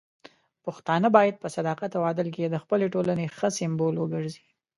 پښتانه بايد په صداقت او عدل کې د خپلې ټولنې ښه سمبول وګرځي.